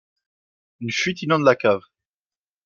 une fuite innonde la cave